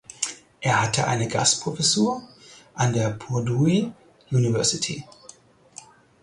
Er hatte eine Gastprofessur an der Purdue University.